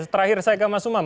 terakhir saya ke mas umam